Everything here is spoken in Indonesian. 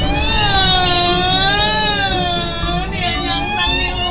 dia nyentang di lumpur